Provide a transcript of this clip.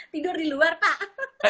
tidur di luar pak